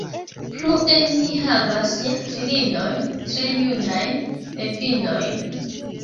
Plue mi havas ja filinojn, tre junajn nepinojn.